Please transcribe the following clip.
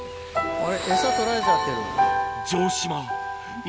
エサ取られちゃってる。